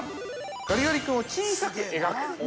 ガリガリ君を小さく描く。